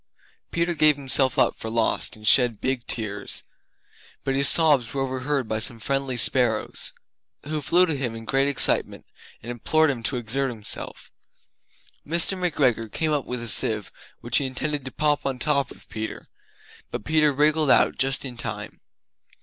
Peter gave himself up for lost and shed big tears; But his sobs were overheard by some friendly sparrows Who flew to him in great excitement and implored him to exert himself. Mr. McGregor came up with a sieve which he intended to pop on the top of Peter, but Peter wriggled out just in time.